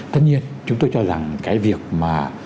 tất nhiên chúng tôi cho rằng cái việc mà